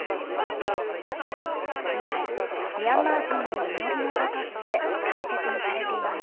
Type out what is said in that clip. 以来ミャンマー人の祈りの場として大切にされています。